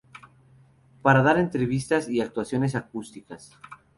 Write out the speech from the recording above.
Para dar entrevistas y actuaciones acústicas.